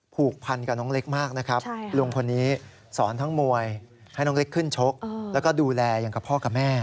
ผูกพันกับน้องเล็กมากนะครับลุงคนนี้สอนทั้งมวยให้น้องเล็กขึ้นชกแล้วก็ดูแลอย่างกับพ่อกับแม่